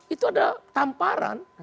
itu ada tamparan